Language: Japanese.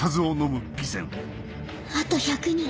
あと１００人。